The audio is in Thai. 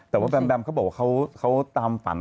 แต่ว่าแบมแบมเขาบอกว่าเขาตามฝัน